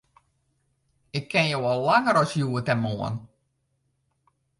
Ik ken jo al langer as hjoed en moarn.